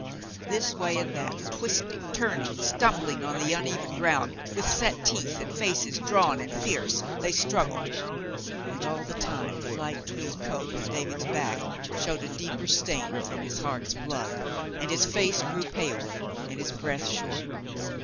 ; This way and that, twisting, turning, stumbling on the uneven ground, with set teeth and faces drawn and fierce, , they struggled, and all the time the light tweed coat on i David's back showed a deeper stain from his heart's blood, and his face grew paler and his breath shorter.